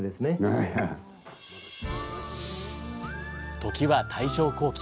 時は大正後期。